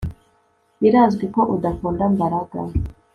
Birazwi ko udakunda Mbaraga